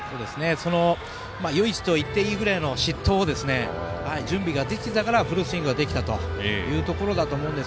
唯一と言っていいくらいの失投を準備ができていたからフルスイングができたというところだと思います。